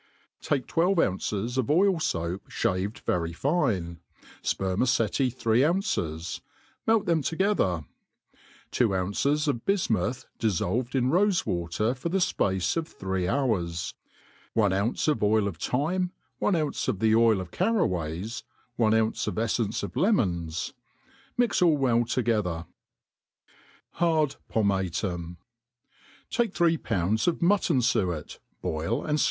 TAKE twelve ounces of oil foap (haved very fine, fperma ceti three'ounces, melt them together ; two ounces of bismuth dMlolved in rofe water for the fpace of three hours, one ounc^ of oil of thyme, one ounce of the oil of carraway^^ one' ounce of eiTence of lemons ^ mix all well together. Hard iEJElCEIPTSFOR.P^RFUKIETLY/fic. 405 :•'■*. Hard Pomatum* , TAKE %hree pounds of muttoh*fuet, boil and fk!